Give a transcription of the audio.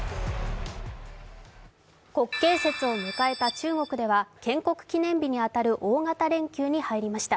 国慶節を迎えた中国では建国記念日に当たる大型連休に入りました。